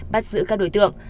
bắt giữ các đối tượng